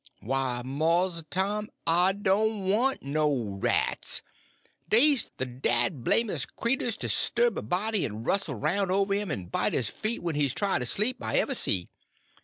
"Why, Mars Tom, I doan' want no rats. Dey's de dadblamedest creturs to 'sturb a body, en rustle roun' over 'im, en bite his feet, when he's tryin' to sleep, I ever see.